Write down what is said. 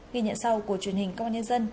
ghi nhận sau của truyền hình công an nhân dân